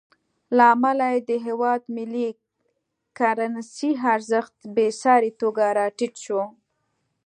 له امله یې د هېواد ملي کرنسۍ ارزښت بېساري توګه راټیټ شو.